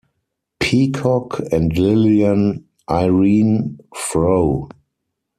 Peacock and Lilian Irene Frow.